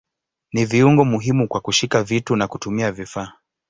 Ni viungo muhimu kwa kushika vitu na kutumia vifaa.